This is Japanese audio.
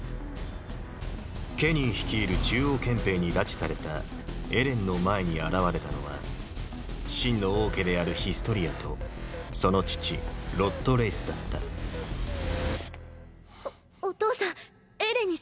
ケニー率いる中央憲兵に拉致されたエレンの前に現れたのは真の王家であるヒストリアとその父ロッド・レイスだったおお父さんエレンに説明を。